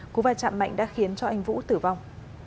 cú va chạm mạnh đã khiến cho anh vũ tử vong